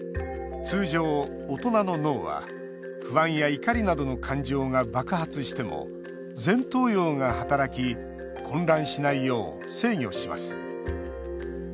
通常、大人の脳は不安や怒りなどの感情が爆発しても前頭葉が働き混乱しないよう制御します。